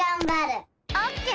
オッケー！